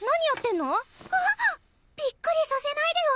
びっくりさせないでよ